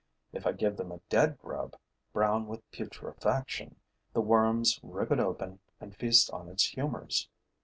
If I give them a dead grub, brown with putrefaction, the worms rip it open and feast on its humors.